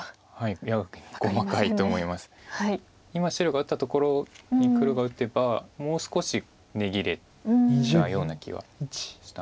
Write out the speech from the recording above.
今白が打ったところに黒が打てばもう少し値切れたような気はしたんですけど。